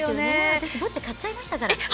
私、ボッチャ買っちゃいましたから。